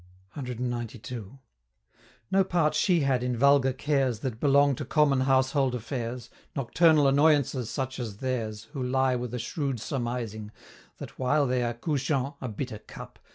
CXCII. No part she had in vulgar cares That belong to common household affairs Nocturnal annoyances such as theirs, Who lie with a shrewd surmising, That while they are couchant (a bitter cup!)